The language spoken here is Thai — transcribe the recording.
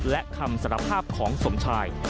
และคำสารภาพของสมชาย